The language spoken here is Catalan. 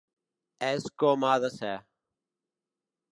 És com ha de ser.